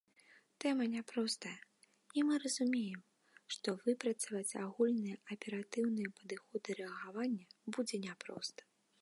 Тэма няпростая, і мы разумеем, што выпрацаваць агульныя аператыўныя падыходы рэагавання будзе няпроста.